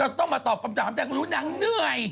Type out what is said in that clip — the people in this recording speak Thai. ระวังเขาก็บอกว่านางก็เนื่อย